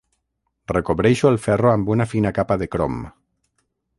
Recobreixo el ferro amb una fina capa de crom.